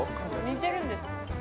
似てるんです。